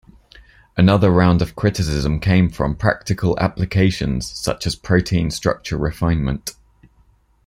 Another round of criticism came from practical applications, such as protein structure refinement.